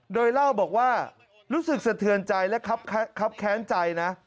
โดยเล่าบอกว่ารู้สึกสะเทือนใจและครับแค้นใจนะ